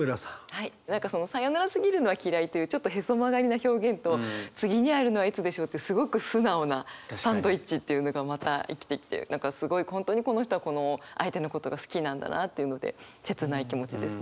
はい何かその「さようならすぎるのは、きらい」というちょっとへそ曲がりな表現と「次に会えるのは、いつでしょう」というすごく素直なサンドイッチっていうのがまた生きてきて何かすごい本当にこの人はこの相手のことが好きなんだなっていうので切ない気持ちですね。